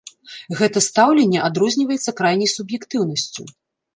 Гэта стаўленне адрозніваецца крайняй суб'ектыўнасцю.